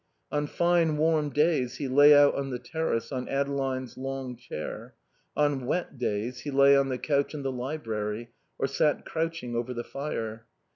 On fine warm days he lay out on the terrace on Adeline's long chair; on wet days he lay on the couch in the library, or sat crouching over the fire.